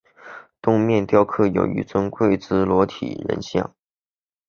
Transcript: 东面雕刻有一尊跪姿裸体人像。